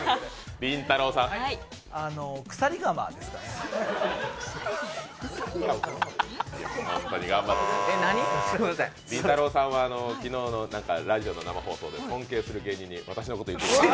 りんたろーさんは昨日のラジオの生放送で、尊敬する芸人に私のこと言ってくれました。